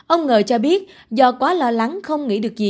ông ng cho biết do quá lo lắng không nghĩ được